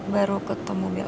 baru ketemu bella